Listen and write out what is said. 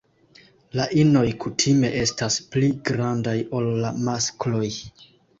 La inoj kutime estas pli grandaj ol la maskloj.